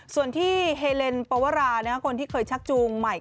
ส่วนที่เฮเลนปวราคนที่เคยชักจูงใหม่